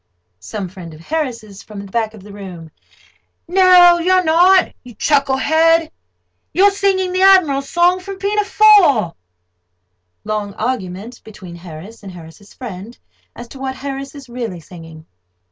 SOME FRIEND OF HARRIS'S (from the back of the room): "No, you're not, you chuckle head, you're singing the Admiral's song from Pinafore." [Long argument between Harris and Harris's friend as to what Harris is really singing.